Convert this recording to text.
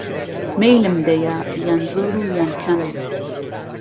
مهیلم بدهیه یان زۆر و یان کهم